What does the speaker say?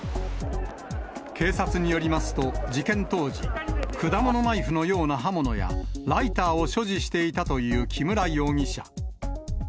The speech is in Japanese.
警察によりますと、事件当時、果物ナイフのような刃物やライターを所持していたという木村容疑者。